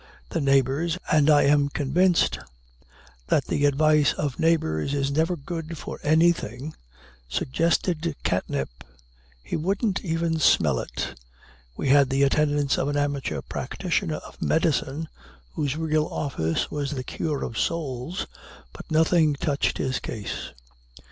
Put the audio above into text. The neighbors and I am convinced that the advice of neighbors is never good for anything suggested catnip. He wouldn't even smell it. We had the attendance of an amateur practitioner of medicine, whose real office was the cure of souls, but nothing touched his case.